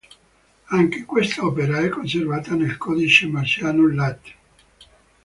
Anche quest'opera è conservata nel codice marciano "Lat".